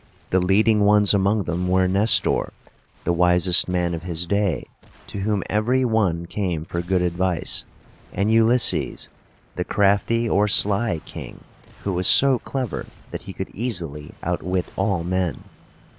The leading ones among them were Nes´tor, the wisest man of his day, to whom every one came for good advice; and U lys´ses, the crafty or sly king, who was so clever that he could easily outwit all men.